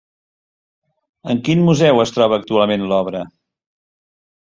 En quin museu es troba actualment l'obra?